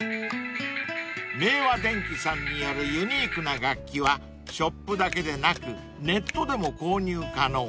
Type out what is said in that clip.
［明和電機さんによるユニークな楽器はショップだけでなくネットでも購入可能］